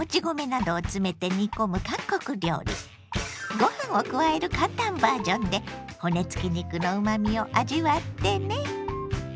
ご飯を加える簡単バージョンで骨付き肉のうまみを味わってね。